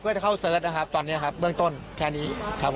เพื่อจะเข้าเสิร์ชนะครับตอนนี้ครับเบื้องต้นแค่นี้ครับ